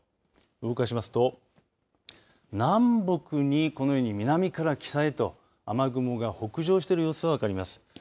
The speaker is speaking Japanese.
動かしますと南北にこのように南から北へと雨雲が北上している様子が分かります。